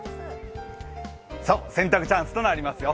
そう、洗濯チャンスとなりますよ。